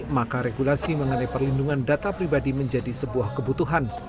maka regulasi mengenai perlindungan data pribadi menjadi sebuah kebutuhan